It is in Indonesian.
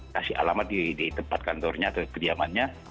kasih alamat di tempat kantornya atau kediamannya